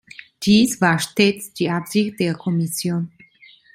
Dies war stets die Absicht der Kommission.